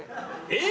えっ！？